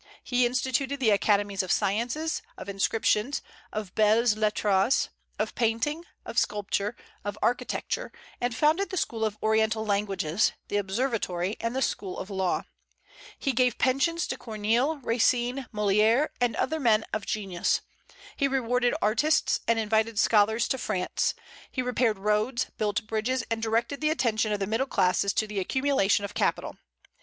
He instituted the Academies of Sciences, of Inscriptions, of Belles Lettres, of Painting, of Sculpture, of Architecture; and founded the School of Oriental languages, the Observatory, and the School of Law. He gave pensions to Corneille, Racine, Molière, and other men of genius. He rewarded artists and invited scholars to France; he repaired roads, built bridges, and directed the attention of the middle classes to the accumulation of capital.